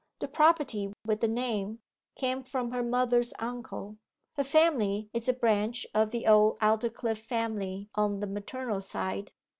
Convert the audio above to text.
The property, with the name, came from her mother's uncle. Her family is a branch of the old Aldclyffe family on the maternal side.